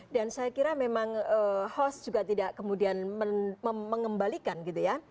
saya kira memang host juga tidak kemudian mengembalikan gitu ya